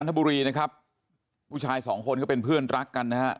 ทบุรีนะครับผู้ชายสองคนก็เป็นเพื่อนรักกันนะฮะ